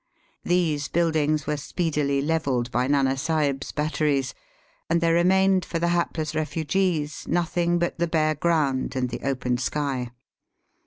These buildings were speedily levelled by Nana Sahib's bat teries, and there remained for the hapless refugees nothing but the bare ground and the open sky.